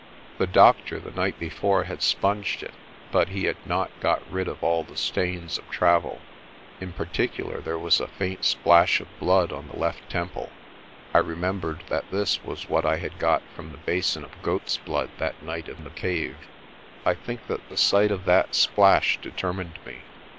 The doctor the night before had sponged it but he had not got rid of all the stains of travel. In particular there was a faint splash of blood on the left temple. I remembered that this was what I had got from the basin of goat's blood that night in the cave. I think that the sight of that splash determined me.